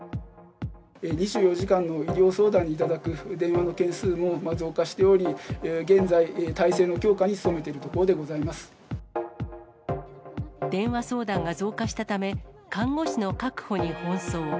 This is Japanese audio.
２４時間の医療相談に頂く電話の件数も増加しており、現在、態勢の強化に努めているところで電話相談が増加したため、看護師の確保に奔走。